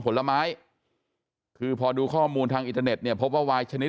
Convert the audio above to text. ผลไม้คือพอดูข้อมูลทางอินเทอร์เน็ตเนี่ยพบว่าวายชนิด